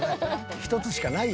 １つしかないやろ。